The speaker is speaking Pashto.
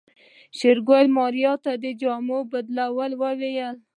شېرګل ماريا ته د جامو بدلولو وويل.